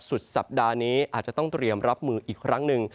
สุดสัปดาห์นี้อาจจะต้องเตรียมรับมืออีกครั้งหนึ่ง